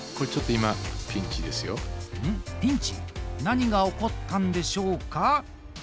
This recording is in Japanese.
ピンチ？何が起こったんでしょうか？